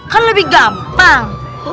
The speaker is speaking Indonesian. kan lebih gampang